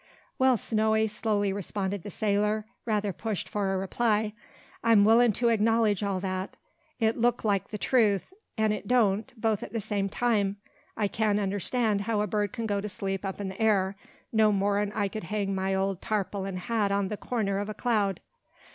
"Well, Snowy," slowly responded the sailor, rather pushed for a reply, "I'm willin' to acknowledge all that. It look like the truth, an' it don't, both at the same time. I can't understan' how a bird can go to sleep up in the air, no more'n I could hang my old tarpaulin' hat on the corner o' a cloud.